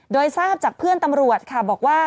โดยทราบจากเพื่อนตำรวจค่ะบอกว่า